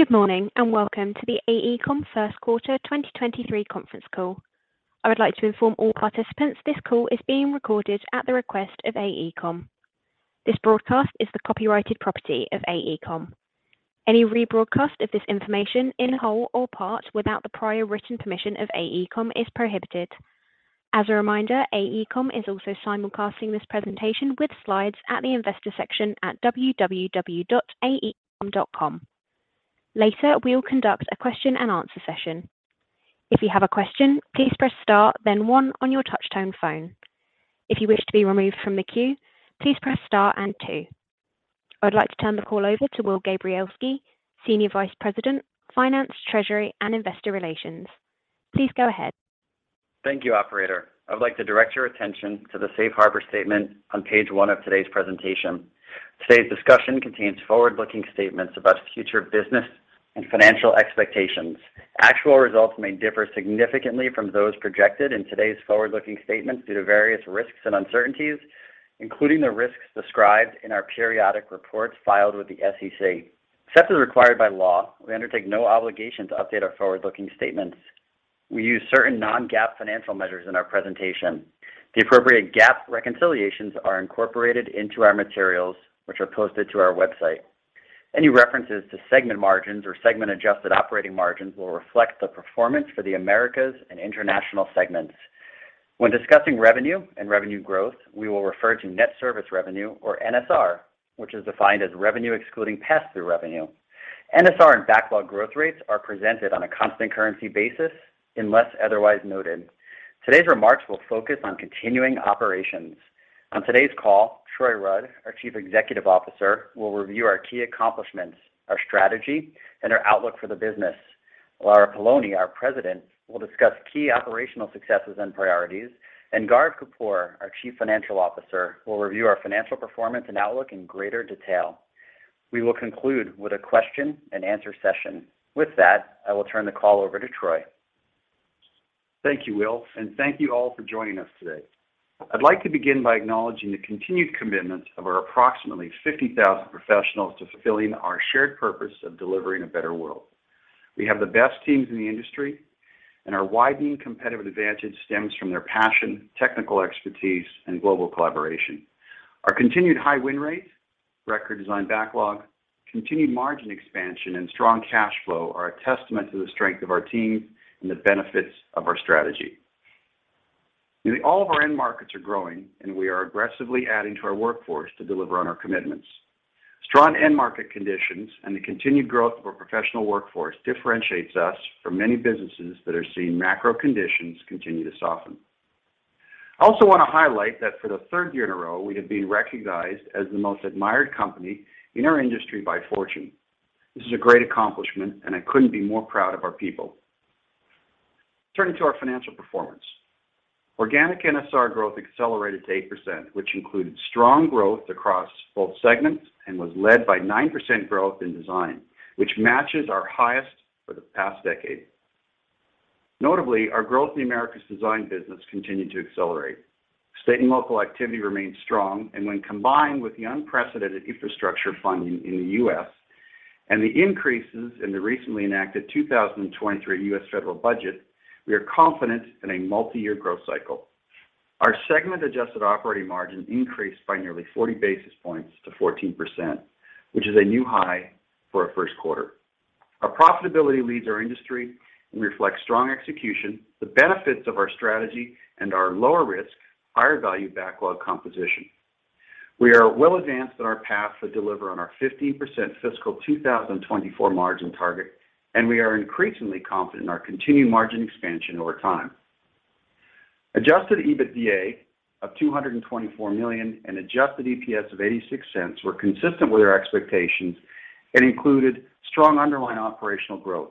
Good morning, and welcome to the AECOM Q1 2023 conference call. I would like to inform all participants this call is being recorded at the request of AECOM. This broadcast is the copyrighted property of AECOM. Any rebroadcast of this information in whole or part without the prior written permission of AECOM is prohibited. As a reminder, AECOM is also simulcasting this presentation with slides at the investor section at www.AECOM.com. Later, we'll conduct a question-and-answer session. If you have a question, please press star, then one on your touchtone phone. If you wish to be removed from the queue, please press star and two. I'd like to turn the call over to Will Gabrielski, Senior Vice President, Finance, Treasury and Investor Relations. Please go ahead. Thank you, operator. I'd like to direct your attention to the safe harbor statement on page one of today's presentation. Today's discussion contains forward-looking statements about future business and financial expectations. Actual results may differ significantly from those projected in today's forward-looking statements due to various risks and uncertainties, including the risks described in our periodic reports filed with the SEC. Except as required by law, we undertake no obligation to update our forward-looking statements. We use certain non-GAAP financial measures in our presentation. The appropriate GAAP reconciliations are incorporated into our materials, which are posted to our website. Any references to segment margins or segment adjusted operating margins will reflect the performance for the Americas and International segments. When discussing revenue and revenue growth, we will refer to net service revenue or NSR, which is defined as revenue excluding pass-through revenue. NSR and backlog growth rates are presented on a constant currency basis unless otherwise noted. Today's remarks will focus on continuing operations. On today's call, Troy Rudd, our Chief Executive Officer, will review our key accomplishments, our strategy, and our outlook for the business. Lara Poloni, our President, will discuss key operational successes and priorities, and Gaurav Kapoor, our Chief Financial Officer, will review our financial performance and outlook in greater detail. We will conclude with a question-and-answer session. With that, I will turn the call over to Troy. Thank you, Will, and thank you all for joining us today. I'd like to begin by acknowledging the continued commitment of our approximately 50,000 professionals to fulfilling our shared purpose of delivering a better world. We have the best teams in the industry, and our widening competitive advantage stems from their passion, technical expertise, and global collaboration. Our continued high win rates, record design backlog, continued margin expansion, and strong cash flow are a testament to the strength of our teams and the benefits of our strategy. Nearly all of our end markets are growing, and we are aggressively adding to our workforce to deliver on our commitments. Strong end market conditions and the continued growth of our professional workforce differentiates us from many businesses that are seeing macro conditions continue to soften. I also want to highlight that for the third year in a row, we have been recognized as the most admired company in our industry by Fortune. This is a great accomplishment and I couldn't be more proud of our people. Turning to our financial performance. Organic NSR growth accelerated to 8%, which included strong growth across both segments and was led by 9% growth in design, which matches our highest for the past decade. Notably, our growth in the Americas design business continued to accelerate. State and local activity remains strong, and when combined with the unprecedented infrastructure funding in the U.S. and the increases in the recently enacted 2023 U.S. federal budget, we are confident in a multi-year growth cycle. Our segment adjusted operating margin increased by nearly 40 basis points to 14%, which is a new high for our Q1. Our profitability leads our industry and reflects strong execution, the benefits of our strategy, and our lower risk, higher value backlog composition. We are well advanced on our path to deliver on our 15% fiscal 2024 margin target. We are increasingly confident in our continued margin expansion over time. Adjusted EBITDA of $224 million and adjusted EPS of $0.86 were consistent with our expectations and included strong underlying operational growth.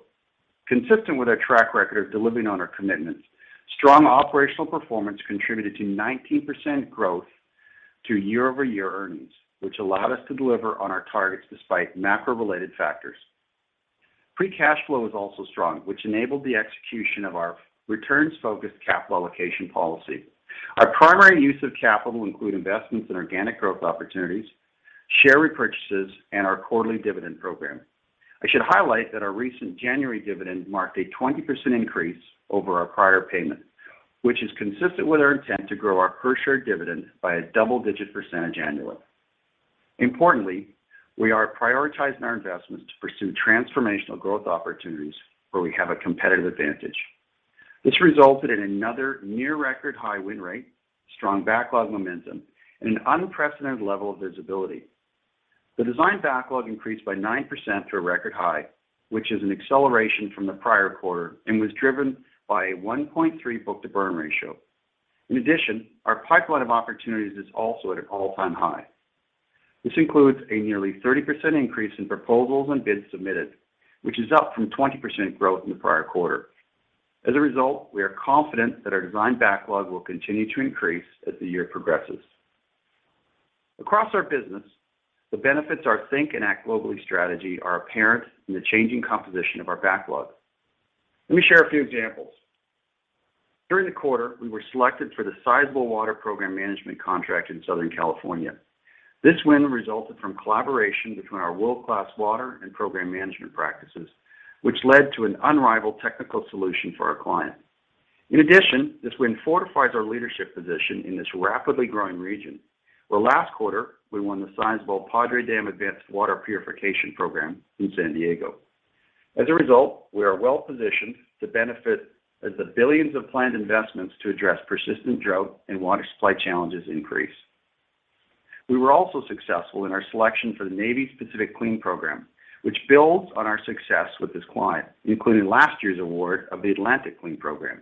Consistent with our track record of delivering on our commitments, strong operational performance contributed to 19% growth to year-over-year earnings, which allowed us to deliver on our targets despite macro-related factors. Free cash flow is also strong, which enabled the execution of our returns-focused capital allocation policy. Our primary use of capital include investments in organic growth opportunities, share repurchases, and our quarterly dividend program. I should highlight that our recent January dividend marked a 20% increase over our prior payment, which is consistent with our intent to grow our per share dividend by a double-digit percentage annually. Importantly, we are prioritizing our investments to pursue transformational growth opportunities where we have a competitive advantage. This resulted in another near record high win rate, strong backlog momentum, and an unprecedented level of visibility. The design backlog increased by 9% to a record high, which is an acceleration from the prior quarter and was driven by a 1.3 book-to-burn ratio. Our pipeline of opportunities is also at an all-time high. This includes a nearly 30% increase in proposals and bids submitted, which is up from 20% growth in the prior quarter. As a result, we are confident that our design backlog will continue to increase as the year progresses. Across our business, the benefits our Think and Act Globally strategy are apparent in the changing composition of our backlog. Let me share a few examples. During the quarter, we were selected for the sizable water program management contract in Southern California. This win resulted from collaboration between our world-class water and program management practices, which led to an unrivaled technical solution for our client. In addition, this win fortifies our leadership position in this rapidly growing region, where last quarter we won the sizable Padre Dam Advanced Water Purification Program in San Diego. As a result, we are well positioned to benefit as the billions of planned investments to address persistent drought and water supply challenges increase. We were also successful in our selection for the Navy CLEAN Program, which builds on our success with this client, including last year's award of the Atlantic CLEAN Program.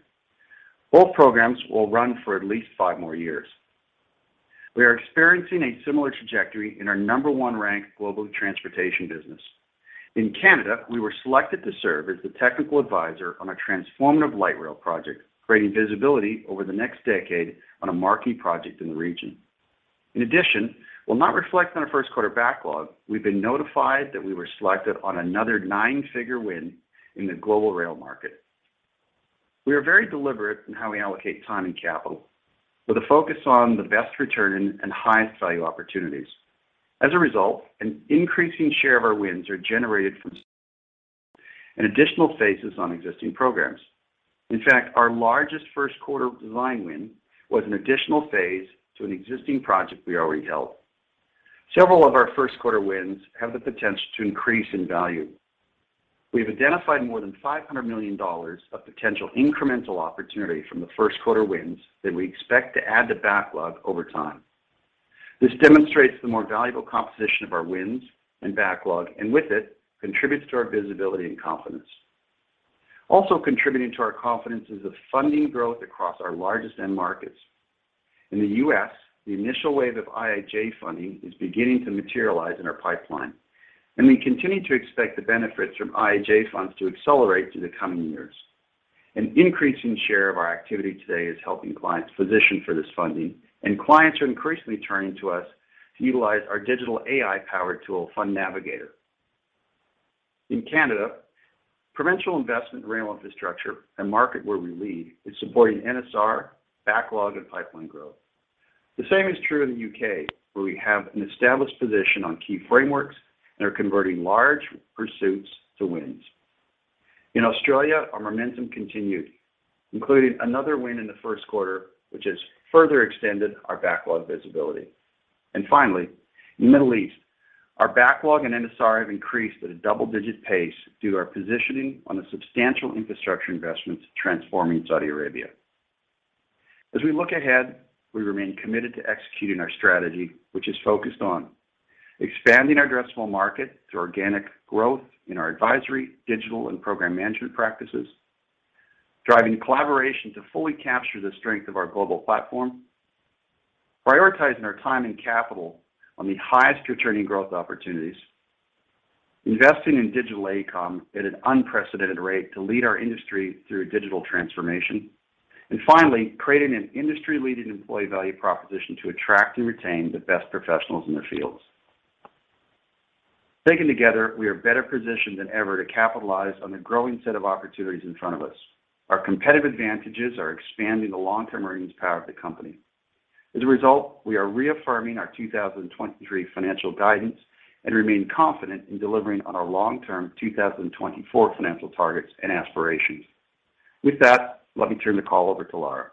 Both programs will run for at least five more years. We are experiencing a similar trajectory in our number 1 ranked global transportation business. In Canada, we were selected to serve as the technical advisor on a transformative light rail project, creating visibility over the next decade on a marquee project in the region. In addition, while not reflected on our Q1 backlog, we've been notified that we were selected on another 9-figure win in the global rail market. We are very deliberate in how we allocate time and capital, with a focus on the best return and highest value opportunities. As a result, an increasing share of our wins are generated from and additional phases on existing programs. In fact, our largest Q1 design win was an additional phase to an existing project we already held. Several of our Q1 wins have the potential to increase in value. We've identified more than $500 million of potential incremental opportunity from the Q1 wins that we expect to add to backlog over time. This demonstrates the more valuable composition of our wins and backlog, and with it, contributes to our visibility and confidence. Also contributing to our confidence is the funding growth across our largest end markets. In the U.S., the initial wave of IIJA funding is beginning to materialize in our pipeline, and we continue to expect the benefits from IIJA funds to accelerate through the coming years. An increasing share of our activity today is helping clients position for this funding, and clients are increasingly turning to us to utilize our digital AI-powered tool, Fund Navigator. In Canada, provincial investment in rail infrastructure, a market where we lead, is supporting NSR, backlog and pipeline growth. The same is true in the U.K., where we have an established position on key frameworks that are converting large pursuits to wins. In Australia, our momentum continued, including another win in the Q1, which has further extended our backlog visibility. Finally, in the Middle East, our backlog and NSR have increased at a double-digit pace due to our positioning on the substantial infrastructure investments transforming Saudi Arabia. As we look ahead, we remain committed to executing our strategy, which is focused on expanding our addressable market through organic growth in our advisory, digital, and program management practices. Driving collaboration to fully capture the strength of our global platform. Prioritizing our time and capital on the highest returning growth opportunities. Investing in Digital AECOM at an unprecedented rate to lead our industry through digital transformation. And finally, creating an industry-leading employee value proposition to attract and retain the best professionals in their fields. Taken together, we are better positioned than ever to capitalize on the growing set of opportunities in front of us. Our competitive advantages are expanding the long-term earnings power of the company. As a result, we are reaffirming our 2023 financial guidance and remain confident in delivering on our long-term 2024 financial targets and aspirations. With that, let me turn the call over to Lara.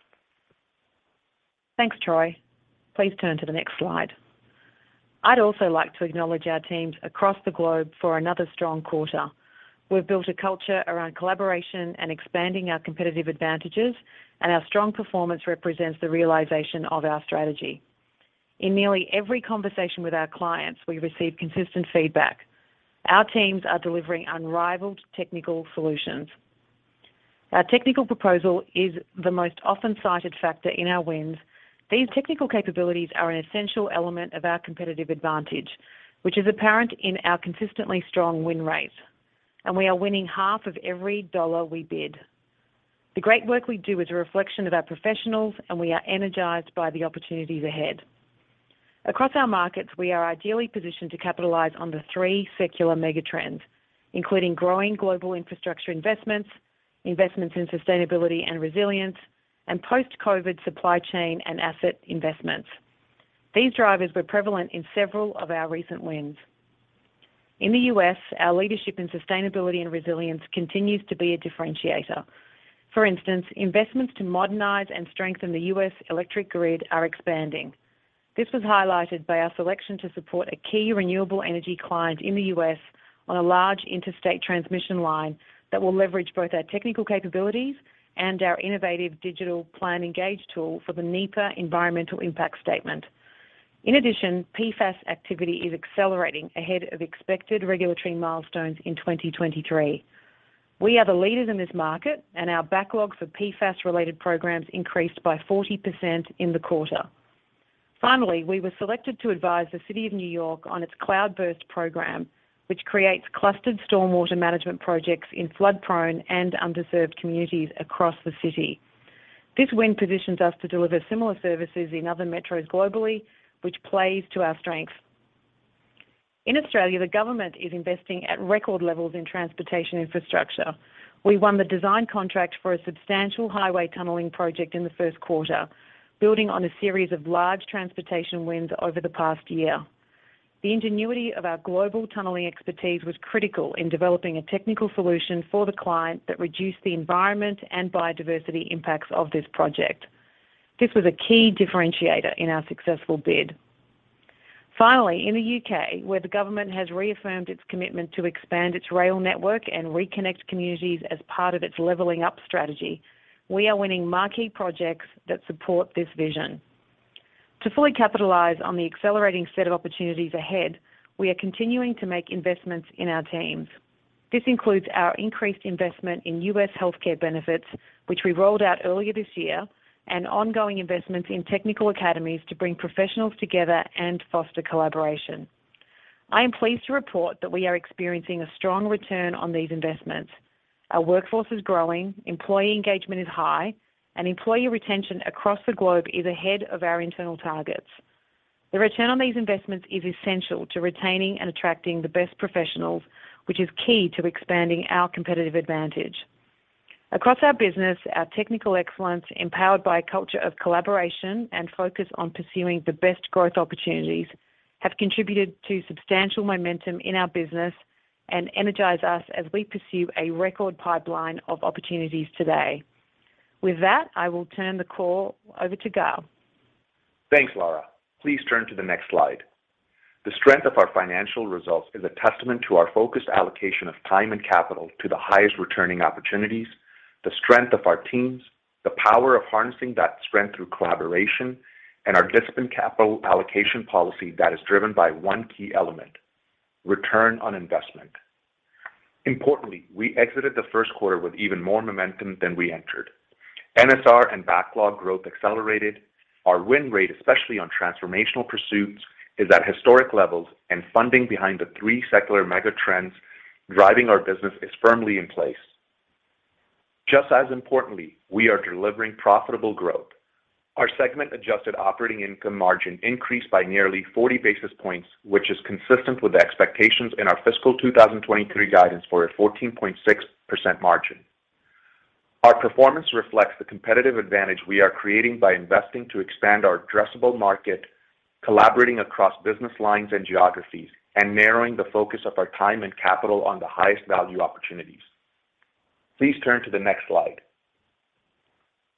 Thanks, Troy. Please turn to the next slide. I'd also like to acknowledge our teams across the globe for another strong quarter. We've built a culture around collaboration and expanding our competitive advantages. Our strong performance represents the realization of our strategy. In nearly every conversation with our clients, we receive consistent feedback. Our teams are delivering unrivaled technical solutions. Our technical proposal is the most often cited factor in our wins. These technical capabilities are an essential element of our competitive advantage, which is apparent in our consistently strong win rate. We are winning half of every dollar we bid. The great work we do is a reflection of our professionals. We are energized by the opportunities ahead. Across our markets, we are ideally positioned to capitalize on the three secular mega-trends, including growing global infrastructure investments in sustainability and resilience, and post-COVID supply chain and asset investments. These drivers were prevalent in several of our recent wins. In the U.S., our leadership in sustainability and resilience continues to be a differentiator. For instance, investments to modernize and strengthen the U.S. electric grid are expanding. This was highlighted by our selection to support a key renewable energy client in the U.S. on a large interstate transmission line that will leverage both our technical capabilities and our innovative digital PlanEngage tool for the NEPA environmental impact statement. In addition, PFAS activity is accelerating ahead of expected regulatory milestones in 2023. We are the leaders in this market, and our backlog for PFAS-related programs increased by 40% in the quarter. We were selected to advise the city of New York on its cloudburst program, which creates clustered stormwater management projects in flood-prone and underserved communities across the city. This win positions us to deliver similar services in other metros globally, which plays to our strengths. The government is investing at record levels in transportation infrastructure. We won the design contract for a substantial highway tunneling project in the Q1, building on a series of large transportation wins over the past year. The ingenuity of our global tunneling expertise was critical in developing a technical solution for the client that reduced the environment and biodiversity impacts of this project. This was a key differentiator in our successful bid. Finally, in the U.K., where the government has reaffirmed its commitment to expand its rail network and reconnect communities as part of its Levelling Up strategy, we are winning marquee projects that support this vision. To fully capitalize on the accelerating set of opportunities ahead, we are continuing to make investments in our teams. This includes our increased investment in U.S. healthcare benefits, which we rolled out earlier this year, and ongoing investments in technical academies to bring professionals together and foster collaboration. I am pleased to report that we are experiencing a strong return on these investments. Our workforce is growing, employee engagement is high, and employee retention across the globe is ahead of our internal targets. The return on these investments is essential to retaining and attracting the best professionals, which is key to expanding our competitive advantage. Across our business, our technical excellence, empowered by a culture of collaboration and focus on pursuing the best growth opportunities, have contributed to substantial momentum in our business and energize us as we pursue a record pipeline of opportunities today. With that, I will turn the call over to Gal. Thanks, Lara. Please turn to the next slide. The strength of our financial results is a testament to our focused allocation of time and capital to the highest returning opportunities, the strength of our teams, the power of harnessing that strength through collaboration, and our disciplined capital allocation policy that is driven by one key element: return on investment. Importantly, we exited the Q1 with even more momentum than we entered. NSR and backlog growth accelerated. Our win rate, especially on transformational pursuits, is at historic levels, and funding behind the three secular mega trends driving our business is firmly in place. Just as importantly, we are delivering profitable growth. Our segment adjusted operating income margin increased by nearly 40 basis points, which is consistent with the expectations in our fiscal 2023 guidance for a 14.6% margin. Our performance reflects the competitive advantage we are creating by investing to expand our addressable market, collaborating across business lines and geographies, and narrowing the focus of our time and capital on the highest value opportunities. Please turn to the next slide.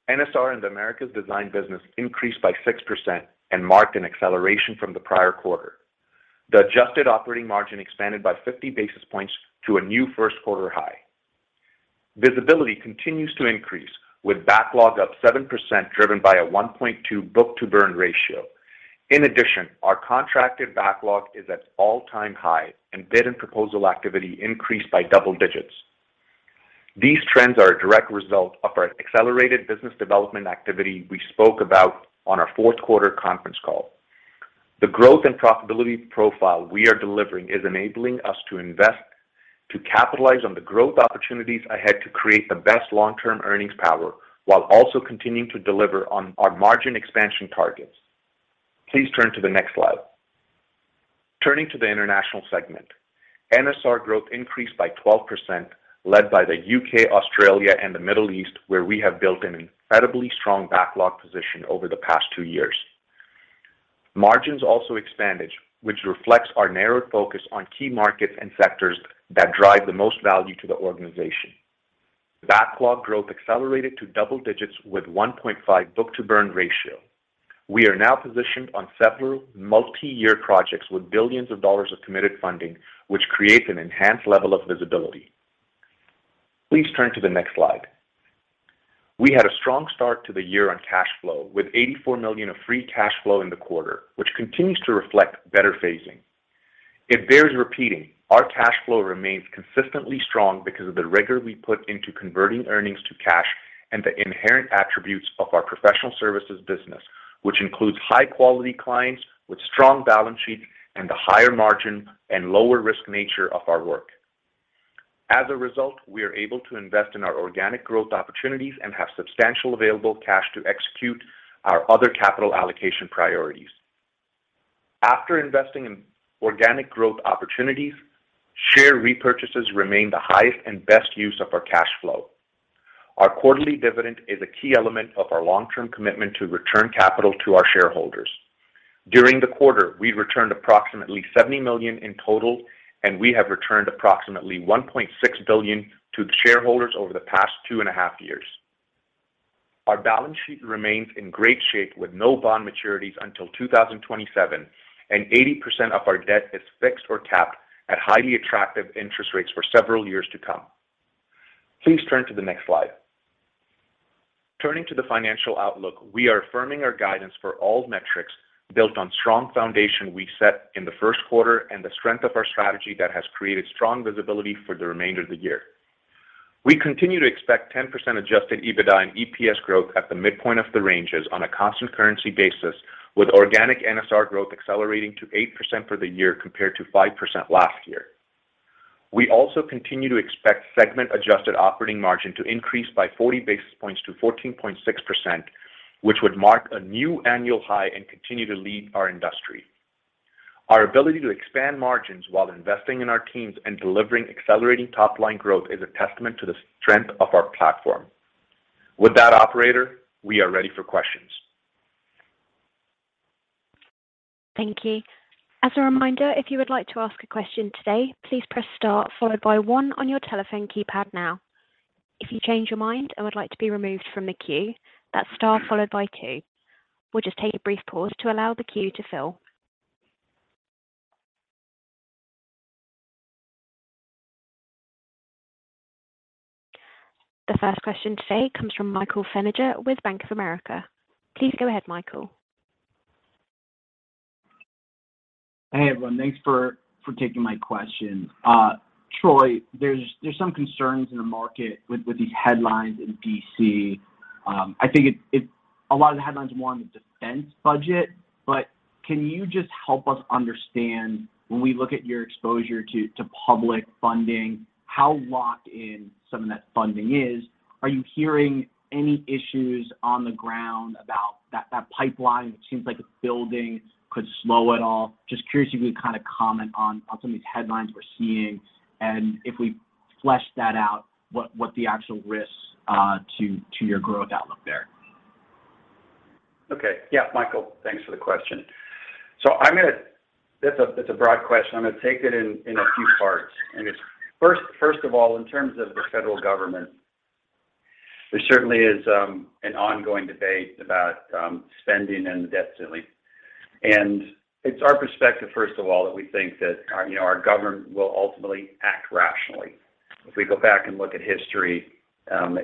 NSR in the Americas design business increased by 6% and marked an acceleration from the prior quarter. The adjusted operating margin expanded by 50 basis points to a new Q1 high. Visibility continues to increase, with backlog up 7% driven by a 1.2 book-to-burn ratio. In addition, our contracted backlog is at all-time high. Bid and proposal activity increased by double digits. These trends are a direct result of our accelerated business development activity we spoke about on our Q4 conference call. The growth and profitability profile we are delivering is enabling us to invest to capitalize on the growth opportunities ahead to create the best long-term earnings power while also continuing to deliver on our margin expansion targets. Please turn to the next slide. Turning to the international segment, NSR growth increased by 12% led by the UK, Australia and the Middle East, where we have built an incredibly strong backlog position over the past two years. Margins also expanded, which reflects our narrowed focus on key markets and sectors that drive the most value to the organization. Backlog growth accelerated to double digits with 1.5 book-to-burn ratio. We are now positioned on several multi-year projects with billions of dollars of committed funding, which creates an enhanced level of visibility. Please turn to the next slide. We had a strong start to the year on cash flow with $84 million of free cash flow in the quarter, which continues to reflect better phasing. It bears repeating, our cash flow remains consistently strong because of the rigor we put into converting earnings to cash and the inherent attributes of our professional services business, which includes high quality clients with strong balance sheet and the higher margin and lower risk nature of our work. We are able to invest in our organic growth opportunities and have substantial available cash to execute our other capital allocation priorities. After investing in organic growth opportunities, share repurchases remain the highest and best use of our cash flow. Our quarterly dividend is a key element of our long-term commitment to return capital to our shareholders. During the quarter, we returned approximately $70 million in total. We have returned approximately $1.6 billion to the shareholders over the past two and a half years. Our balance sheet remains in great shape with no bond maturities until 2027. 80% of our debt is fixed or capped at highly attractive interest rates for several years to come. Please turn to the next slide. Turning to the financial outlook, we are affirming our guidance for all metrics built on strong foundation we set in the Q1 and the strength of our strategy that has created strong visibility for the remainder of the year. We continue to expect 10% adjusted EBITDA and EPS growth at the midpoint of the ranges on a constant currency basis with organic NSR growth accelerating to 8% for the year compared to 5% last year. We also continue to expect segment adjusted operating margin to increase by 40 basis points to 14.6%, which would mark a new annual high and continue to lead our industry. Our ability to expand margins while investing in our teams and delivering accelerating top-line growth is a testament to the strength of our platform. With that operator, we are ready for questions. Thank you. As a reminder, if you would like to ask a question today, please press star followed by one on your telephone keypad now. If you change your mind and would like to be removed from the queue, that's star followed by two. We'll just take a brief pause to allow the queue to fill. The first question today comes from Michael Feniger with Bank of America. Please go ahead, Michael. Hey, everyone. Thanks for taking my question. Troy, there's some concerns in the market with these headlines in D.C. I think a lot of the headlines more on the defense budget, but can you just help us understand when we look at your exposure to public funding, how locked in some of that funding is? Are you hearing any issues on the ground about that pipeline that seems like it's building could slow at all? Just curious if you could kinda comment on some of these headlines we're seeing and if we flesh that out, what the actual risks to your growth outlook there. Okay. Yeah, Michael, thanks for the question. It's a broad question. I'm gonna take it in a few parts. It's first of all, in terms of the federal government, there certainly is an ongoing debate about spending and the debt ceiling. It's our perspective, first of all, that we think that our our government will ultimately act rationally. If we go back and look at history,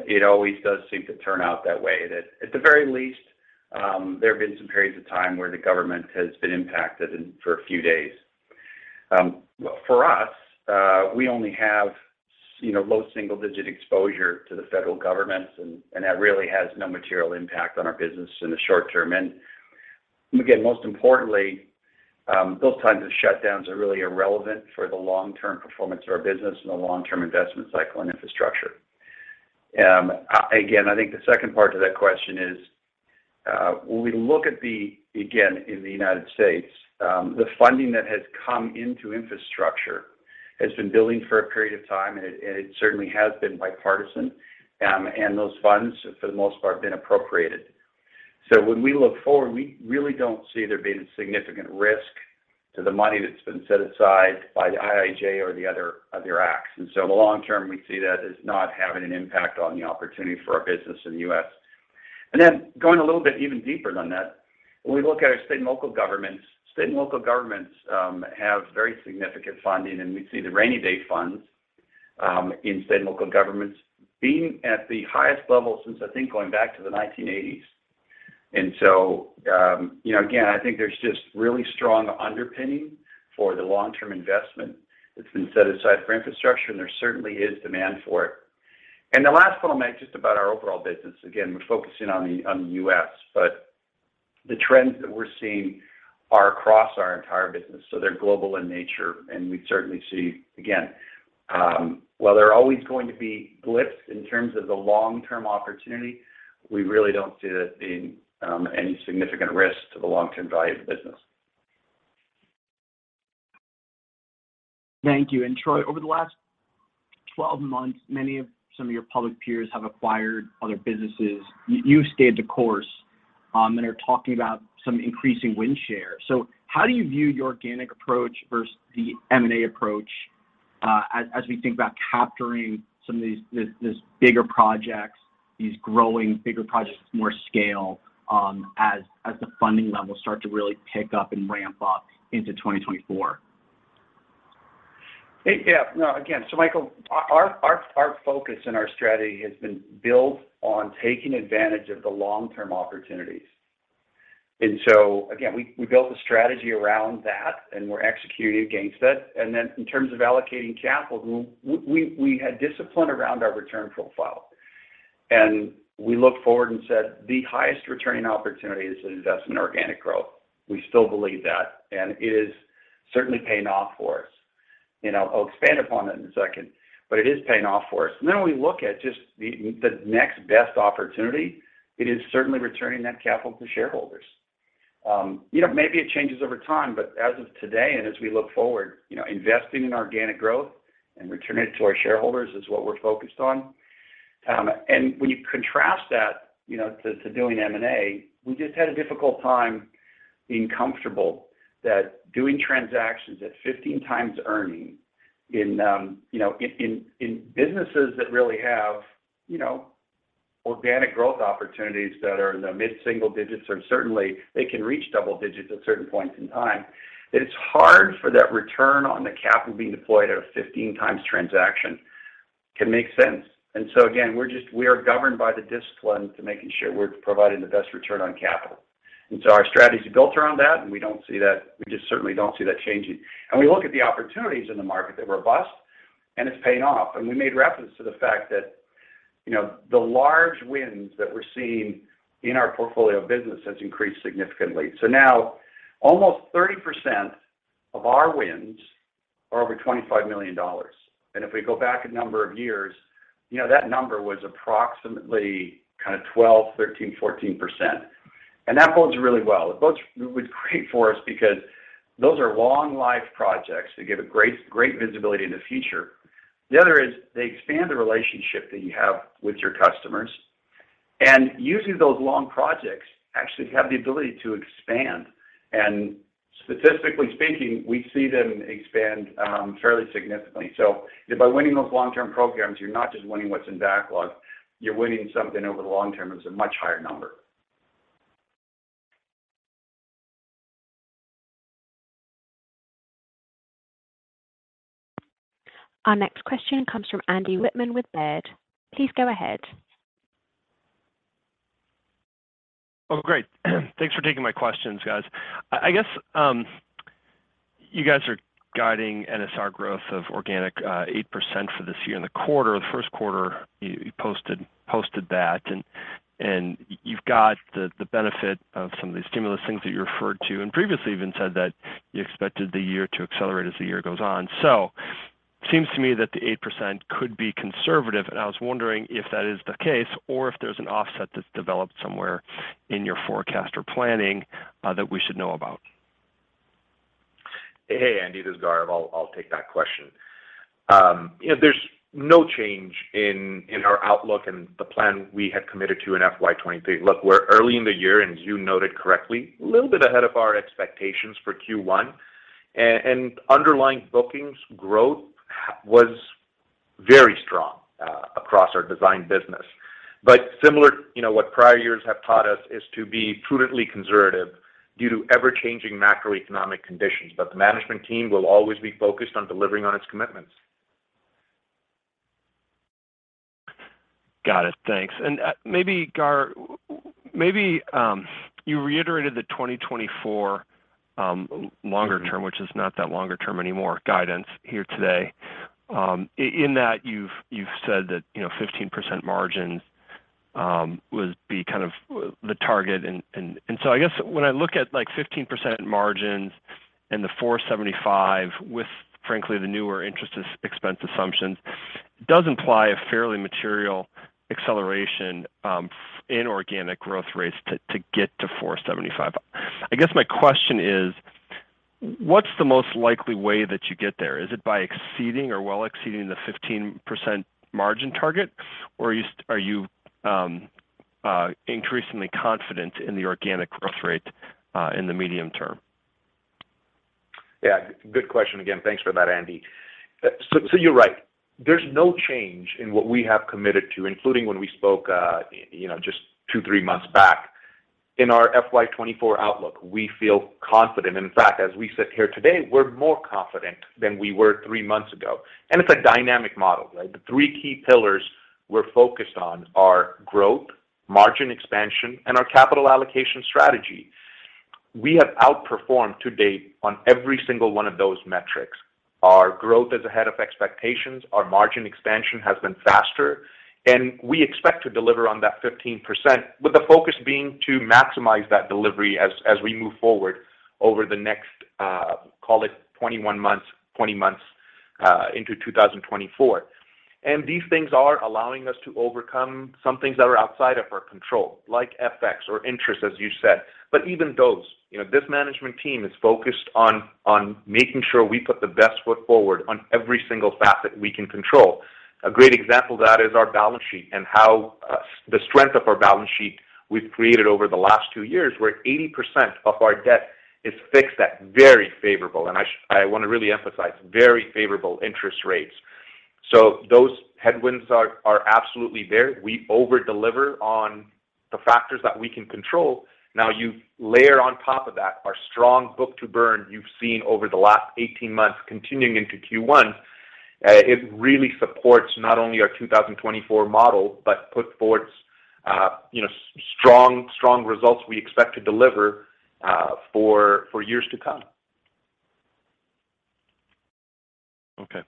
it always does seem to turn out that way, that at the very least, there have been some periods of time where the government has been impacted and for a few days. For us, we only have low single digit exposure to the federal government, and that really has no material impact on our business in the short term. Most importantly, those types of shutdowns are really irrelevant for the long-term performance of our business and the long-term investment cycle and infrastructure. Again, I think the second part to that question is, when we look at the, again, in the United States, the funding that has come into infrastructure has been building for a period of time, and it certainly has been bipartisan, and those funds have, for the most part, been appropriated. When we look forward, we really don't see there being a significant risk to the money that's been set aside by the IIJA or the other acts. In the long term, we see that as not having an impact on the opportunity for our business in the U.S. Then going a little bit even deeper than that, when we look at our state and local governments have very significant funding, and we see the rainy day funds in state and local governments being at the highest level since I think going back to the 1980s. Again, I think there's just really strong underpinning for the long-term investment that's been set aside for infrastructure, and there certainly is demand for it. The last point I'll make just about our overall business, again, we're focusing on the, on the U.S., but the trends that we're seeing are across our entire business, so they're global in nature. We certainly see, again, while there are always going to be blips in terms of the long-term opportunity, we really don't see that being any significant risk to the long-term value of the business. Thank you. Troy, over the last 12 months, many of some of your public peers have acquired other businesses. You've stayed the course, and are talking about some increasing win share. How do you view the organic approach versus the M&A approach, as we think about capturing some of these bigger projects, these growing bigger projects with more scale, as the funding levels start to really pick up and ramp up into 2024? No, again, Michael, our focus and our strategy has been built on taking advantage of the long-term opportunities. Again, we built a strategy around that, and we're executing against it. In terms of allocating capital, we had discipline around our return profile. We looked forward and said, the highest returning opportunity is an investment in organic growth. We still believe that, and it is certainly paying off for us. I'll expand upon that in a second, but it is paying off for us. When we look at just the next best opportunity, it is certainly returning that capital to shareholders. Maybe it changes over time, but as of today and as we look forward investing in organic growth and returning it to our shareholders is what we're focused on. When you contrast that to doing M&A, we just had a difficult time being comfortable that doing transactions at 15x earnings in in, in businesses that really have organic growth opportunities that are in the mid-single digits, or certainly they can reach double digits at certain points in time. It's hard for that return on the capital being deployed at a 15x transaction can make sense. Again, we are governed by the discipline to making sure we're providing the best return on capital. Our strategy is built around that, and we don't see that... We just certainly don't see that changing. We look at the opportunities in the market, they're robust, and it's paying off. We made reference to the that the large wins that we're seeing in our portfolio of business has increased significantly. Now almost 30% of our wins are over $25 million. If we go back a number of years that number was approximately kind of 12%, 13%, 14%. That bodes really well. It bodes great for us because those are long life projects that give a great visibility in the future. The other is they expand the relationship that you have with your customers. Usually those long projects actually have the ability to expand. Statistically speaking, we see them expand fairly significantly. By winning those long-term programs, you're not just winning what's in backlog, you're winning something over the long term that's a much higher number. Our next question comes from Andy Wittmann with Baird. Please go ahead. Great. Thanks for taking my questions, guys. I guess, you guys are guiding NSR growth of organic, 8% for this year in the Q1. You posted that, and you've got the benefit of some of these stimulus things that you referred to, and previously even said that you expected the year to accelerate as the year goes on. Seems to me that the 8% could be conservative, and I was wondering if that is the case or if there's an offset that's developed somewhere in your forecast or planning that we should know about. Hey, Andy, this is Gaurav. I'll take that question. There's no change in our outlook and the plan we had committed to in FY 23. Look, we're early in the year, and you noted correctly, a little bit ahead of our expectations for Q1. Underlying bookings growth was very strong across our design business. similar what prior years have taught us is to be prudently conservative due to ever-changing macroeconomic conditions. The management team will always be focused on delivering on its commitments. Got it. Thanks. Maybe Gaur, maybe you reiterated the 2024 longer term, which is not that longer term anymore, guidance here today. In that you've said that 15% margins would be kind of the target. I guess when I look at like 15% margins and the $4.75 with frankly the newer interest expense assumptions, it does imply a fairly material acceleration in organic growth rates to get to $4.75. I guess my question is, what's the most likely way that you get there? Is it by exceeding or well exceeding the 15% margin target, or are you increasingly confident in the organic growth rate in the medium term? Yeah, good question again. Thanks for that, Andy. You're right. There's no change in what we have committed to, including when we spoke just two, three months back in our FY 2024 outlook. We feel confident. In fact, as we sit here today, we're more confident than we were three months ago. It's a dynamic model, right? The 3 key pillars we're focused on are growth, margin expansion, and our capital allocation strategy. We have outperformed to date on every single one of those metrics. Our growth is ahead of expectations. Our margin expansion has been faster. We expect to deliver on that 15%, with the focus being to maximize that delivery as we move forward over the next, call it 21 months, 20 months, into 2024. These things are allowing us to overcome some things that are outside of our control, like FX or interest, as you said. Even those this management team is focused on making sure we put the best foot forward on every single facet we can control. A great example of that is our balance sheet and how the strength of our balance sheet we've created over the last two years, where 80% of our debt is fixed at very favorable, and I want to really emphasize, very favorable interest rates. Those headwinds are absolutely there. We over-deliver on the factors that we can control. You layer on top of that our strong book-to-burn you've seen over the last 18 months continuing into Q1, it really supports not only our 2024 model, but puts forth strong results we expect to deliver, for years to come. Okay.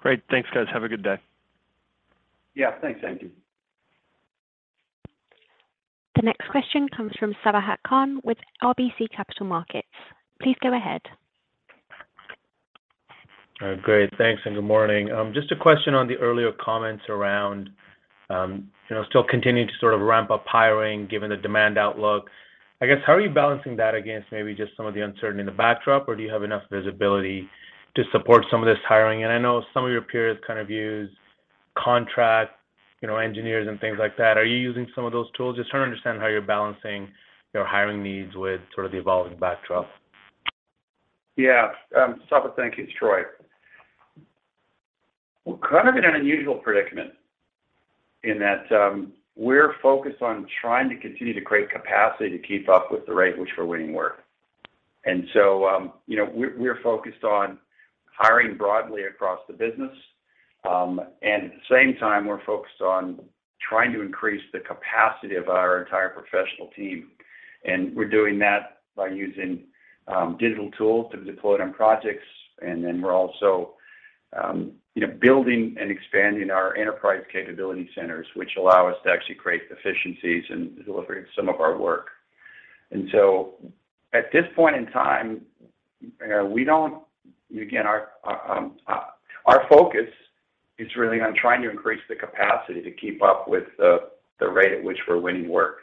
Great. Thanks, guys. Have a good day. Yeah. Thanks, Andy. The next question comes from Sabahat Khan with RBC Capital Markets. Please go ahead. All right. Great. Thanks, and good morning. Just a question on the earlier comments around still continuing to sort of ramp up hiring given the demand outlook. I guess, how are you balancing that against maybe just some of the uncertainty in the backdrop, or do you have enough visibility to support some of this hiring? I know some of your peers kind of use contract engineers and things like that. Are you using some of those tools? Just trying to understand how you're balancing your hiring needs with sort of the evolving backdrop. Yeah. Sabahat, thank you. It's Troy. We're kind of in an unusual predicament in that, we're focused on trying to continue to create capacity to keep up with the rate at which we're winning work. We're focused on hiring broadly across the business. At the same time, we're focused on trying to increase the capacity of our entire professional team. We're doing that by using digital tools to deploy it on projects. We're also building and expanding our enterprise capability centers, which allow us to actually create efficiencies in delivering some of our work. At this point in time, again, our focus is really on trying to increase the capacity to keep up with the rate at which we're winning work.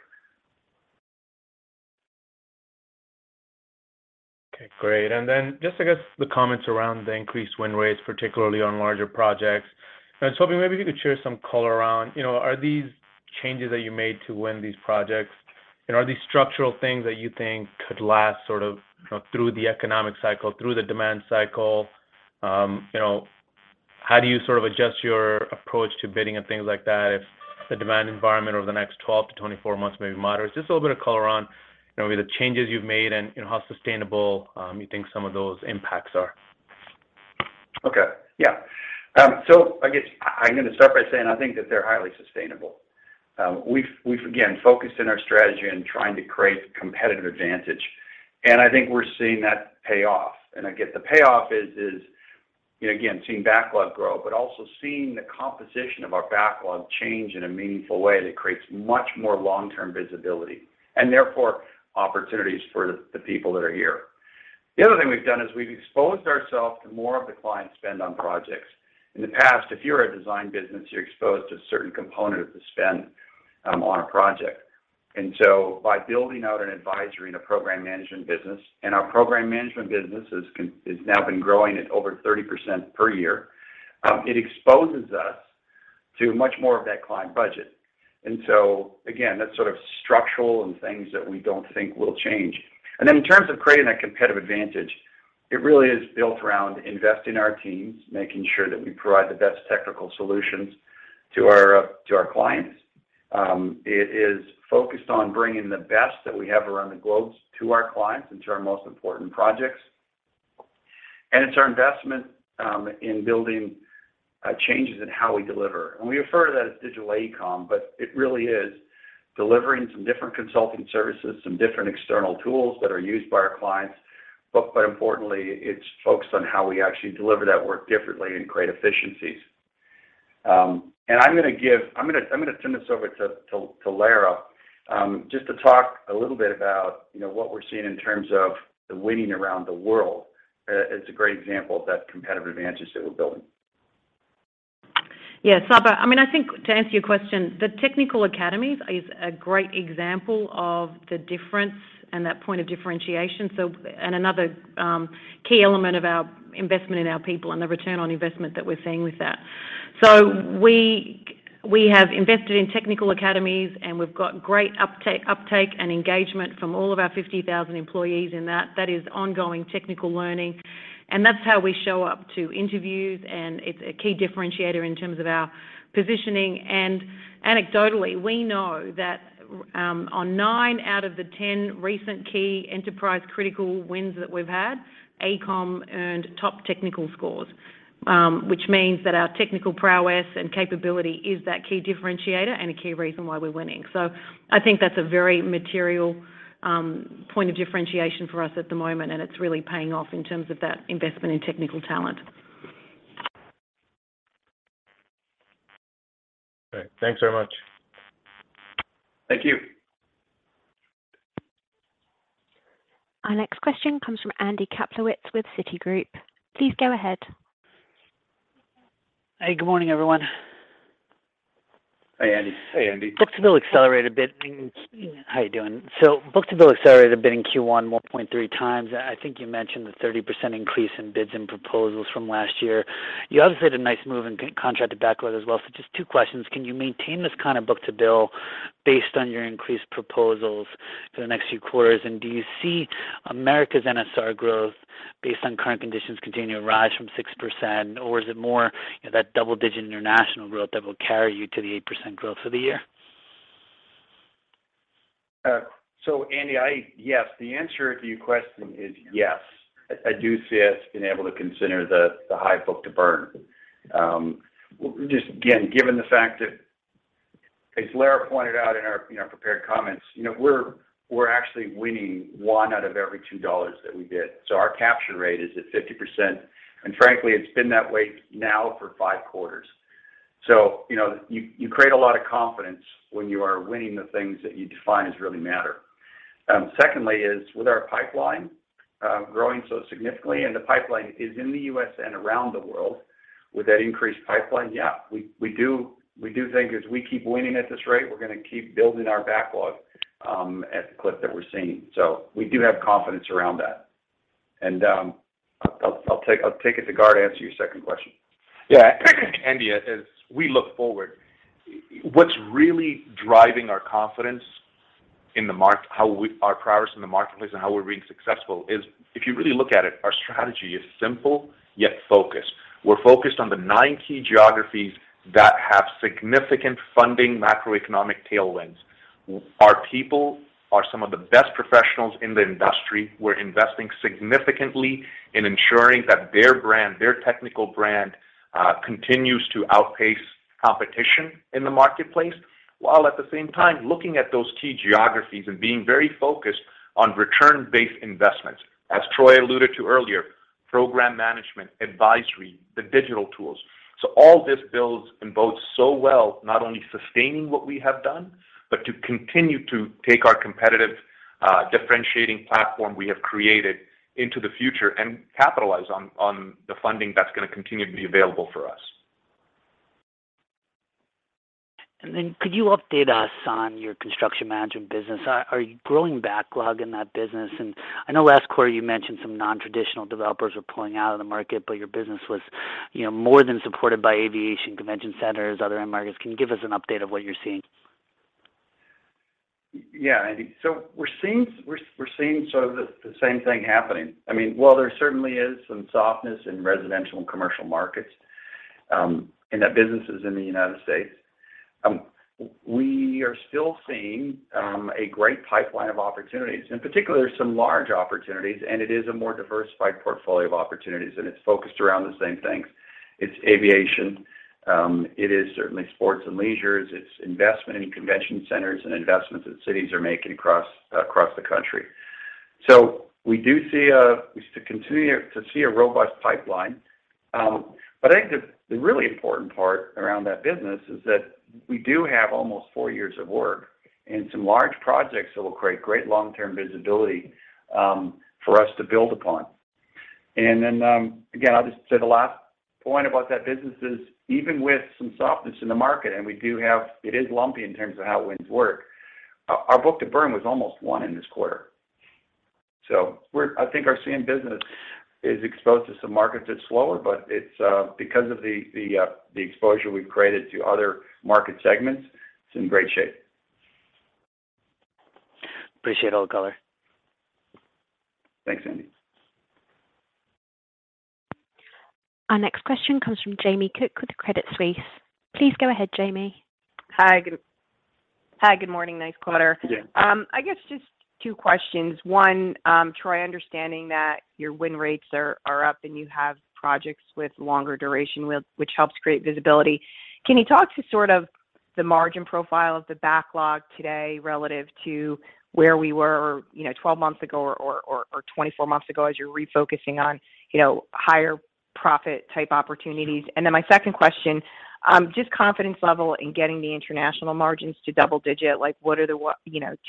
Okay, great. Then just, I guess, the comments around the increased win rates, particularly on larger projects. I was hoping maybe you could share some color around are these changes that you made to win these projects are these structural things that you think could last sort of through the economic cycle, through the demand cycle?, how do you sort of adjust your approach to bidding and things like that if the demand environment over the next 12-24 months may be moderate? Just a little bit of color on the changes you've made and how sustainable, you think some of those impacts are. Okay. Yeah. I guess I'm going to start by saying I think that they're highly sustainable. We've again, focused in our strategy in trying to create competitive advantage, I think we're seeing that pay off. I get the payoff is again, seeing backlog grow, but also seeing the composition of our backlog change in a meaningful way that creates much more long-term visibility and therefore opportunities for the people that are here. The other thing we've done is we've exposed ourselves to more of the client spend on projects. In the past, if you're a design business, you're exposed to a certain component of the spend on a project. By building out an advisory and a program management business, and our program management business has now been growing at over 30% per year, it exposes us to much more of that client budget. Again, that's sort of structural and things that we don't think will change. In terms of creating that competitive advantage, it really is built around investing our teams, making sure that we provide the best technical solutions to our clients. It is focused on bringing the best that we have around the globe to our clients and to our most important projects. It's our investment in building changes in how we deliver. We refer to that as Digital AECOM, but it really is delivering some different consulting services, some different external tools that are used by our clients, but quite importantly, it's focused on how we actually deliver that work differently and create efficiencies. I'm going to turn this over to Lara, just to talk a little bit about what we're seeing in terms of the winning around the world. It's a great example of that competitive advantages that we're building. Yeah. Saba, I mean, I think to answer your question, the technical academies is a great example of the difference and that point of differentiation, and another key element of our investment in our people and the return on investment that we're seeing with that. We have invested in technical academies, and we've got great uptake and engagement from all of our 50,000 employees in that. That is ongoing technical learning. That's how we show up to interviews, and it's a key differentiator in terms of our positioning. Anecdotally, we know that on nine out of the ten recent key enterprise critical wins that we've had, AECOM earned top technical scores, which means that our technical prowess and capability is that key differentiator and a key reason why we're winning. I think that's a very material point of differentiation for us at the moment, and it's really paying off in terms of that investment in technical talent. Okay. Thanks very much. Thank you. Our next question comes from Andy Kaplowitz with Citigroup. Please go ahead. Hey, good morning, everyone. Hi, Andy. Hey, Andy. Book-to-bill accelerated a bit. How you doing? Book-to-bill accelerated a bit in Q1, 1.3 times. I think you mentioned the 30% increase in bids and proposals from last year. You obviously had a nice move in contracted backlog as well. Just two questions. Can you maintain this kind of book-to-bill based on your increased proposals for the next few quarters? Do you see America's NSR growth based on current conditions continue to rise from 6%? Or is it more that double-digit international growth that will carry you to the 8% growth for the year? Andy, yes. The answer to your question is yes. I do see us being able to consider the high book-to-burn. Just again, given the fact that, as Lara pointed out in our prepared comments we're actually winning one out of every two dollars that we bid. Our capture rate is at 50%, and frankly, it's been that way now for Q5. You create a lot of confidence when you are winning the things that you define as really matter. Secondly is with our pipeline growing so significantly and the pipeline is in the U.S. and around the world. With that increased pipeline, yeah, we do think as we keep winning at this rate, we're gonna keep building our backlog at the clip that we're seeing. We do have confidence around that. I'll take it to Guard to answer your second question. Yeah. Andy, as we look forward, what's really driving our confidence in our progress in the marketplace and how we're being successful is, if you really look at it, our strategy is simple yet focused. We're focused on the nine key geographies that have significant funding macroeconomic tailwinds. Our people are some of the best professionals in the industry. We're investing significantly in ensuring that their brand, their technical brand, continues to outpace competition in the marketplace, while at the same time looking at those key geographies and being very focused on return-based investments. As Troy alluded to earlier, Program management, advisory, the digital tools. All this builds and bodes so well, not only sustaining what we have done, but to continue to take our competitive, differentiating platform we have created into the future and capitalize on the funding that's gonna continue to be available for us. Could you update us on your construction management business? Are you growing backlog in that business? I know last quarter you mentioned some non-traditional developers are pulling out of the market, but your business was more than supported by aviation convention centers, other end markets. Can you give us an update of what you're seeing? I think... We're seeing sort of the same thing happening. I mean, while there certainly is some softness in residential and commercial markets, and that businesses in the United States, we are still seeing a great pipeline of opportunities. In particular, there's some large opportunities, and it is a more diversified portfolio of opportunities, and it's focused around the same things. It's aviation. It is certainly sports and leisures. It's investment in convention centers and investments that cities are making across the country. We do see we continue to see a robust pipeline. I think the really important part around that business is that we do have almost 4 years of work and some large projects that will create great long-term visibility for us to build upon. Again, I'll just say the last point about that business is even with some softness in the market, it is lumpy in terms of how it wins work. Our book-to-burn was almost 1 in this quarter. I think our CM business is exposed to some markets that's slower, but it's because of the exposure we've created to other market segments, it's in great shape. Appreciate all the color. Thanks, Andy. Our next question comes from Jamie Cook with Credit Suisse. Please go ahead, Jamie. Hi. Good morning. Nice quarter. Yeah. I guess just two questions. One, Troy, understanding that your win rates are up and you have projects with longer duration which helps create visibility, can you talk to sort of the margin profile of the backlog today relative to where we were 12 months ago or 24 months ago as you're refocusing on higher profit type opportunities? My second question, just confidence level in getting the international margins to double digit, like what are the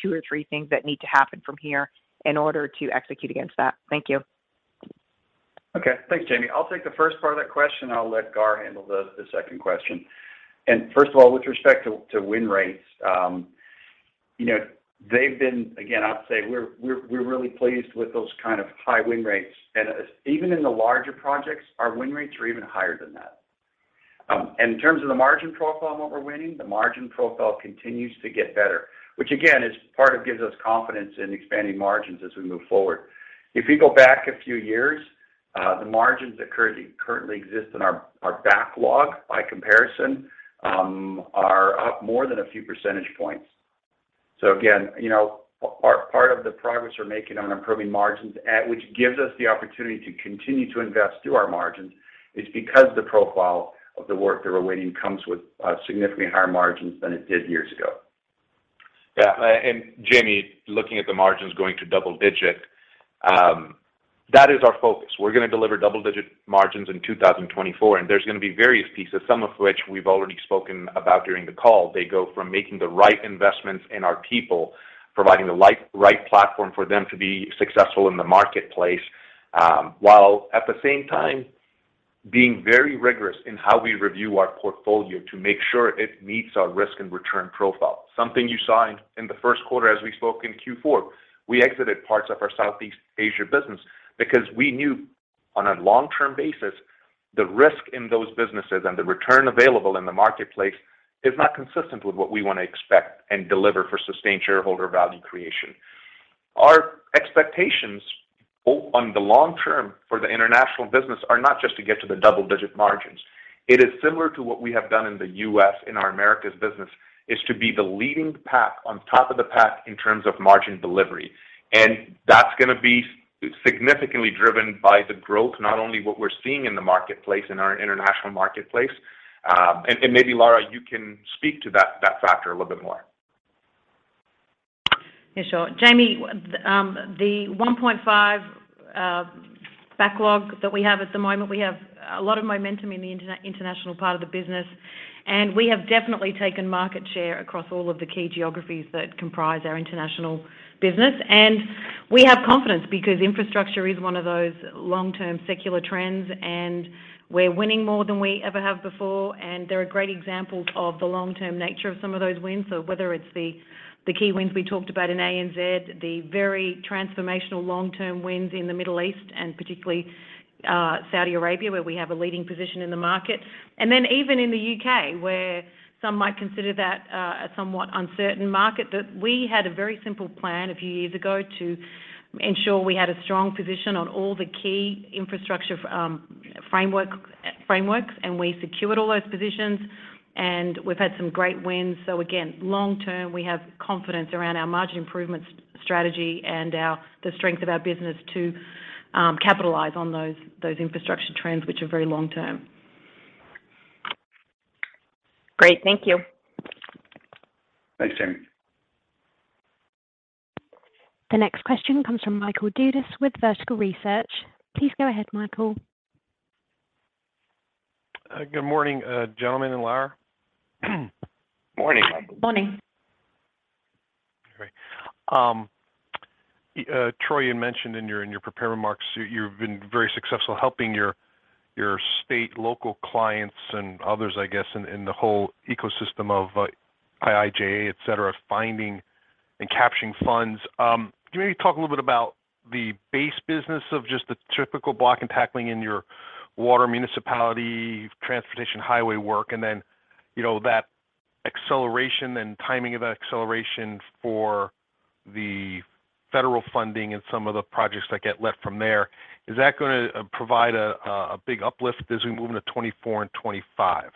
two or three things that need to happen from here in order to execute against that? Thank you. Okay. Thanks, Jamie. I'll take the first part of that question, I'll let Gar handle the second question. First of all, with respect to win rates Again, I'd say we're really pleased with those kind of high win rates. Even in the larger projects, our win rates are even higher than that. In terms of the margin profile and what we're winning, the margin profile continues to get better, which again, is part of gives us confidence in expanding margins as we move forward. If you go back a few years, the margins that currently exist in our backlog by comparison, are up more than a few percentage points. again part of the progress we're making on improving margins at, which gives us the opportunity to continue to invest through our margins, is because the profile of the work that we're winning comes with significantly higher margins than it did years ago. Yeah. Jamie, looking at the margins going to double-digit, that is our focus. We're gonna deliver double-digit margins in 2024, there's gonna be various pieces, some of which we've already spoken about during the call. They go from making the right investments in our people, providing the right platform for them to be successful in the marketplace, while at the same time being very rigorous in how we review our portfolio to make sure it meets our risk and return profile. Something you saw in the Q1 as we spoke in Q4. We exited parts of our Southeast Asia business because we knew on a long-term basis, the risk in those businesses and the return available in the marketplace is not consistent with what we wanna expect and deliver for sustained shareholder value creation. Our expectations on the long term for the international business are not just to get to the double-digit margins. It is similar to what we have done in the U.S., in our Americas business, is to be the leading pack on top of the pack in terms of margin delivery. That's gonna be significantly driven by the growth, not only what we're seeing in the marketplace, in our international marketplace. Maybe, Lara, you can speak to that factor a little bit more. Yeah, sure. Jamie, the $1.5 backlog that we have at the moment, we have a lot of momentum in the international part of the business. We have definitely taken market share across all of the key geographies that comprise our international business. We have confidence because infrastructure is one of those long-term secular trends, and we're winning more than we ever have before. There are great examples of the long-term nature of some of those wins. Whether it's the key wins we talked about in ANZ, the very transformational long-term wins in the Middle East and particularly Saudi Arabia, where we have a leading position in the market. Even in the U.K., where some might consider that a somewhat uncertain market. We had a very simple plan a few years ago to ensure we had a strong position on all the key infrastructure frameworks, and we secured all those positions, and we've had some great wins. Again, long-term, we have confidence around our margin improvement strategy and the strength of our business to capitalize on those infrastructure trends, which are very long-term. Great. Thank you. Thanks, Tammie. The next question comes from Michael Dudas with Vertical Research. Please go ahead, Michael. Good morning, gentlemen and Lara. Morning. Morning. Great. Troy, you mentioned in your prepared remarks, you've been very successful helping your state, local clients and others, I guess, in the whole ecosystem of IIJA, et cetera, finding and capturing funds. Can you maybe talk a little bit about the base business of just the typical block and tackling in your water municipality, transportation highway work, and then that acceleration and timing of that acceleration for the federal funding and some of the projects that get left from there. Is that gonna provide a big uplift as we move into 2024 and 2025?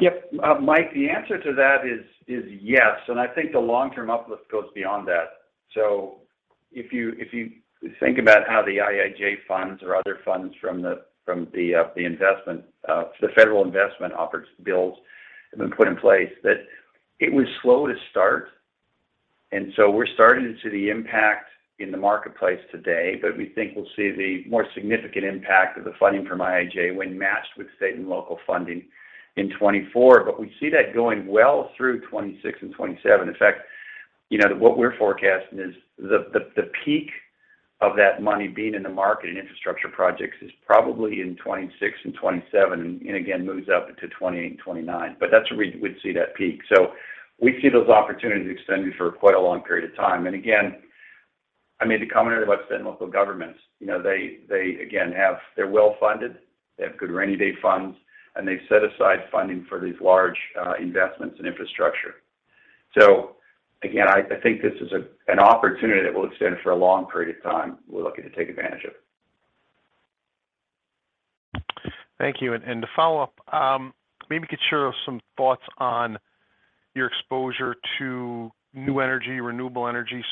Yep. Mike, the answer to that is yes. I think the long-term uplift goes beyond that. If you think about how the IIJA funds or other funds from the federal investment bills have been put in place, that it was slow to start. We're starting to see the impact in the marketplace today, but we think we'll see the more significant impact of the funding from IIJA when matched with state and local funding in 2024. We see that going well through 2026 and 2027. In fact what we're forecasting is the peak of that money being in the market and infrastructure projects is probably in 2026 and 2027, and again, moves up into 2028 and 2029. That's where we'd see that peak. We see those opportunities extending for quite a long period of time. Again, I made the commentary about state and local governments. They again, they're well-funded, they have good rainy day funds, and they've set aside funding for these large investments in infrastructure. Again, I think this is an opportunity that will extend for a long period of time. We're looking to take advantage of it. Thank you. To follow up, maybe share some thoughts on your exposure to new energy, renewable energy?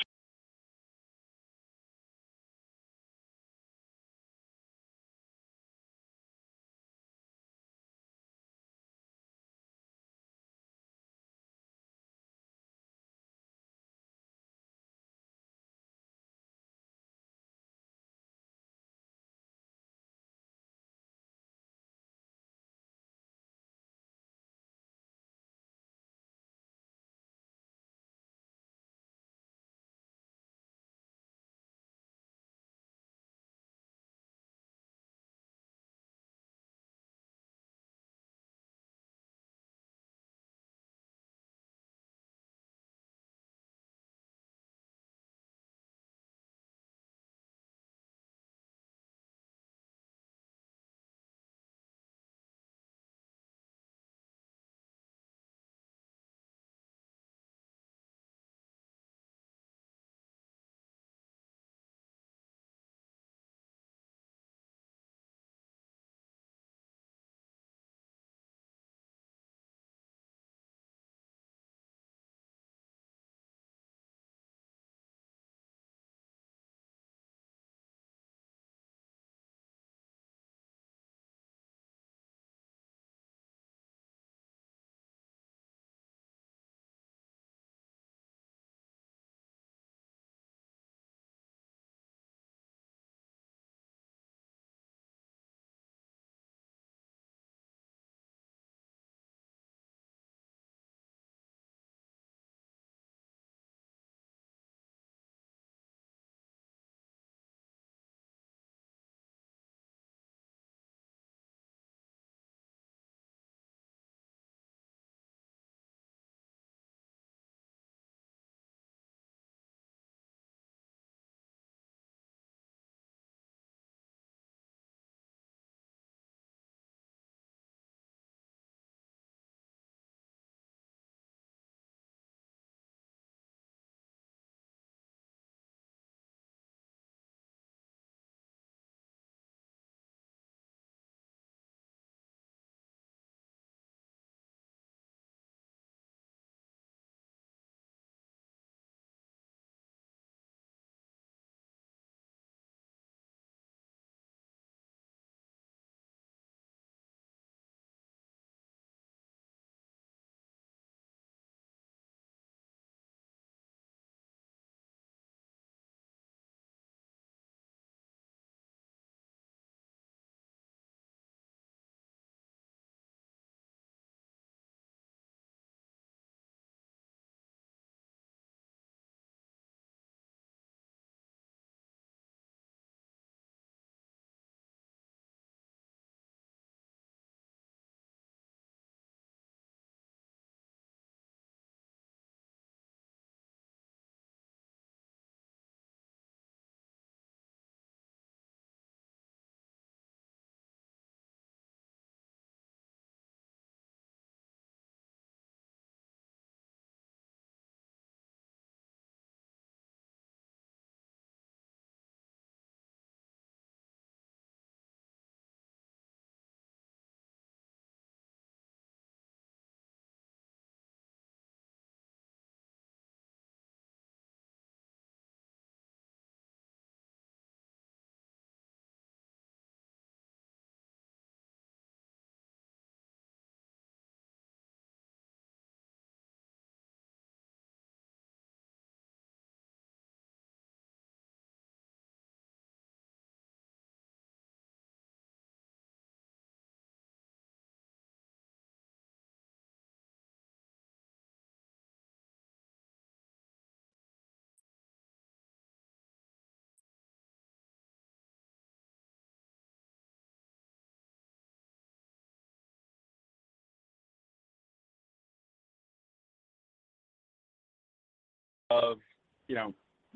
of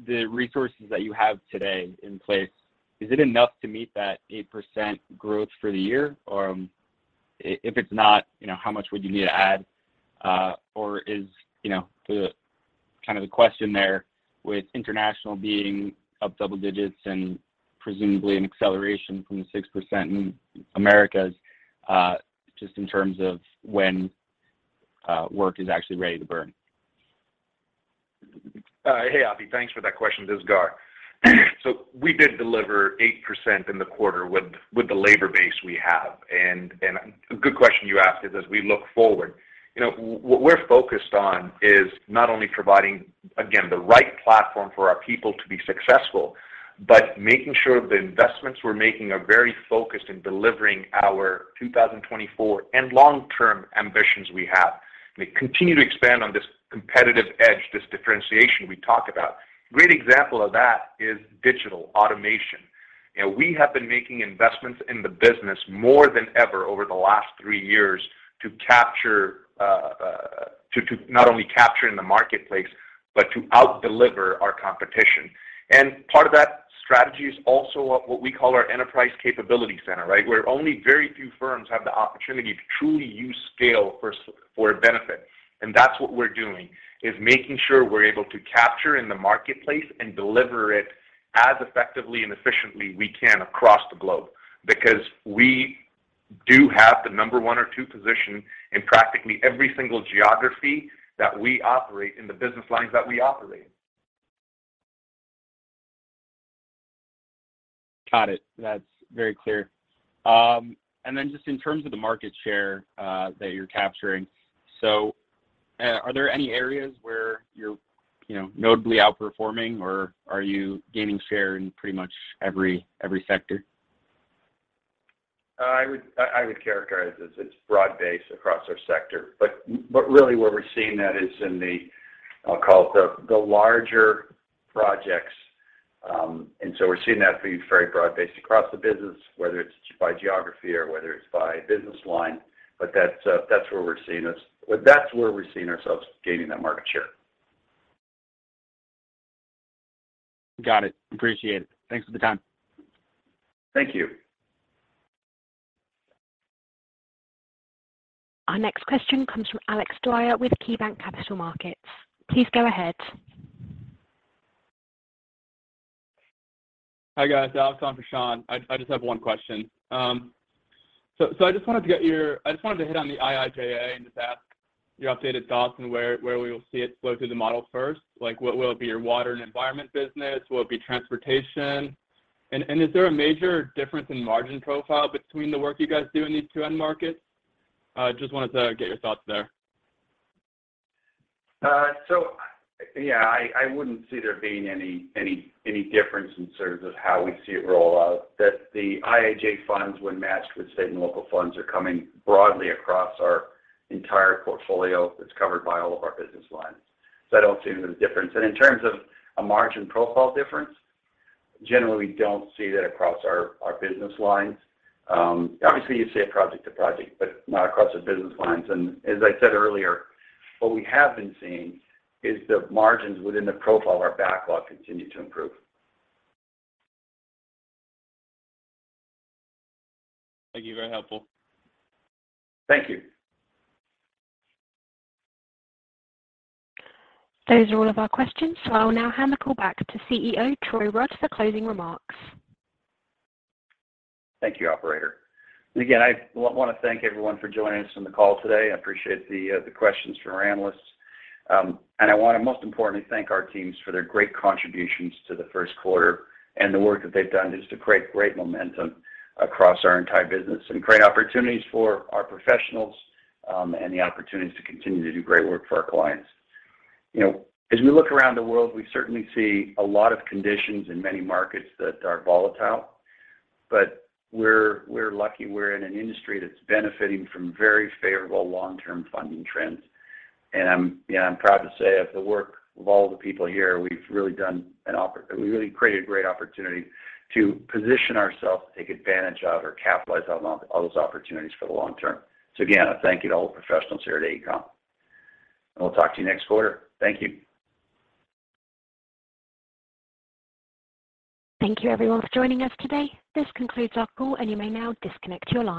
the resources that you have today in place, is it enough to meet that 8% growth for the year? If it's not how much would you need to add? Or is the kind of the question there with international being up double digits and presumably an acceleration from the 6% in Americas, just in terms of when, work is actually ready to burn. Hey, Avi. Thanks for that question. This is Gar. We did deliver 8% in the quarter with the labor base we have. A good question you asked is as we look forward what we're focused on is not only providing, again, the right platform for our people to be successful, but making sure the investments we're making are very focused in delivering our 2024 and long-term ambitions we have. We continue to expand on this competitive edge, this differentiation we talk about. Great example of that is digital automation. We have been making investments in the business more than ever over the last 3 years to not only capture in the marketplace, but to out-deliver our competition. Part of that strategy is also what we call our enterprise capability center, right? Where only very few firms have the opportunity to truly use scale for a benefit. That's what we're doing, is making sure we're able to capture in the marketplace and deliver it as effectively and efficiently we can across the globe. We do have the number one or two position in practically every single geography that we operate in the business lines that we operate. Got it. That's very clear. Just in terms of the market share that you're capturing. Are there any areas where you're notably outperforming, or are you gaining share in pretty much every sector? I would characterize this, it's broad-based across our sector. Really where we're seeing that is in the, I'll call it the larger projects. We're seeing that be very broad-based across the business, whether it's by geography or whether it's by business line. That's where we're seeing ourselves gaining that market share. Got it. Appreciate it. Thanks for the time. Thank you. Our next question comes from Alex Dwyer with KeyBanc Capital Markets. Please go ahead. Hi, guys. Alex, on for Sean. I just have one question. I just wanted to hit on the IIJA and just ask your updated thoughts on where we will see it flow through the model first. Like, what will it be your water and environment business? Will it be transportation? Is there a major difference in margin profile between the work you guys do in these two end markets? Just wanted to get your thoughts there. Yeah, I wouldn't see there being any, any difference in terms of how we see it roll out. That the IIJA funds, when matched with state and local funds, are coming broadly across our entire portfolio that's covered by all of our business lines. I don't see there's a difference. In terms of a margin profile difference, generally, we don't see that across our business lines. Obviously, you'd see it project to project, but not across the business lines. As I said earlier, what we have been seeing is the margins within the profile of our backlog continue to improve. Thank you. Very helpful. Thank you. Those are all of our questions. I'll now hand the call back to CEO Troy Rudd for closing remarks. Thank you, operator. Again, I wanna thank everyone for joining us on the call today. I appreciate the questions from our analysts. I wanna most importantly thank our teams for their great contributions to the Q1 and the work that they've done just to create great momentum across our entire business and create opportunities for our professionals, and the opportunities to continue to do great work for our clients. As we look around the world, we certainly see a lot of conditions in many markets that are volatile, but we're lucky we're in an industry that's benefiting from very favorable long-term funding trends. I'm proud to say of the work of all the people here, we've really created a great opportunity to position ourselves to take advantage of or capitalize on those opportunities for the long term. Again, I thank you to all the professionals here at AECOM, and we'll talk to you next quarter. Thank you. Thank you everyone for joining us today. This concludes our call, and you may now disconnect your line.